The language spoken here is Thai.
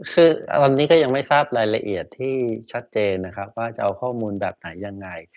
คือตอนนี้ก็ยังไม่ทราบรายละเอียดที่ชัดเจนนะครับว่าจะเอาข้อมูลแบบไหนยังไง